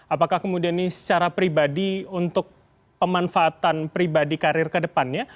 apakah kemudian ini secara pribadi untuk pemanfaatan pribadi karir ke depannya